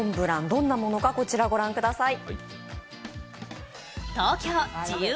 どんなものか、こちらを御覧ください。